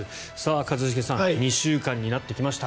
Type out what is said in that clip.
一茂さん２週間になってきました。